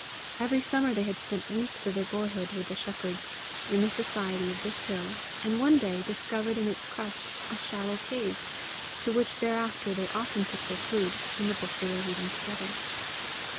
Every summer they had spent weeks of their boyhood with the shepherds, in the society of this hill, and one day discovered in its crest a shallow cave, to which thereafter they often took their food, and the book they were reading together.